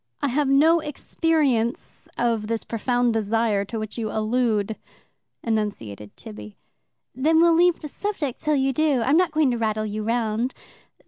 "I have no experience of this profound desire to which you allude," enunciated Tibby. "Then we'll leave the subject till you do. I'm not going to rattle you round.